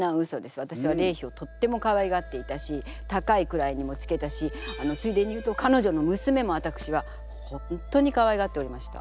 わたしは麗妃をとってもかわいがっていたし高い位にもつけたしついでに言うとかのじょの娘もわたくしは本当にかわいがっておりました。